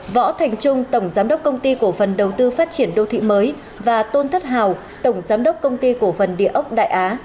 võ thành trung tổng giám đốc công ty cổ phần đầu tư phát triển đô thị mới và tôn thất hào tổng giám đốc công ty cổ phần địa ốc đại á